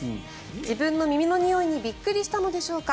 自分の耳のにおいにびっくりしたのでしょうか。